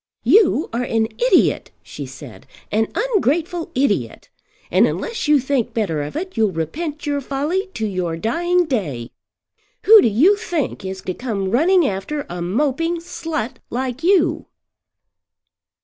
"You are an idiot," she said, "an ungrateful idiot; and unless you think better of it you'll repent your folly to your dying day. Who do you think is to come running after a moping slut like you?"